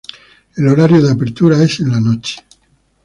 El horario de apertura es en la noche.